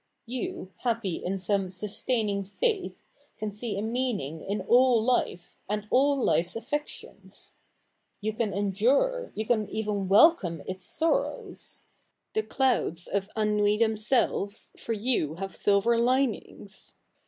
You, happy in some sustaining faith, can see a meaning in all life, and all life's affections. You can endure — you can even welcome its sorrows. The clouds of ennui themselves for you have silver linings.